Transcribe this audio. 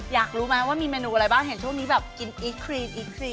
อยากรู้ไหมว่ามีเมนูอะไรบ้างเห็นช่วงนี้แบบกินอีครีนอีครีน